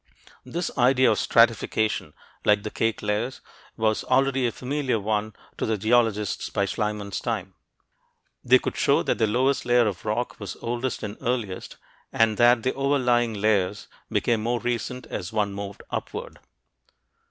This idea of stratification, like the cake layers, was already a familiar one to the geologists by Schliemann's time. They could show that their lowest layer of rock was oldest or earliest, and that the overlying layers became more recent as one moved upward.